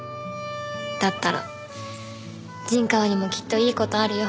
だったら陣川にもきっといい事あるよ。